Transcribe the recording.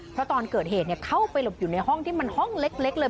เพราะตอนเกิดเหตุเข้าไปหลบอยู่ในห้องที่มันห้องเล็กเลย